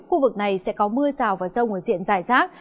khu vực này sẽ có mưa rào và rông ở diện giải rác